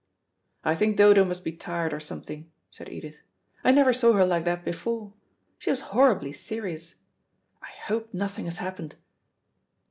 "I think Dodo must be tired or something," said Edith. "I never saw her like that before. She was horribly serious. I hope nothing has happened."